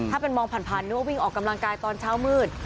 ถ้าเป็นมองผ่านนึกว่าวิ่งออกกำลังกายตอนเช้ามืด